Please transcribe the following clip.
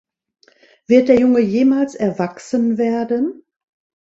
Wird der Junge jemals erwachsen werden?